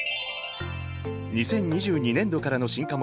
２０２２年度からの新科目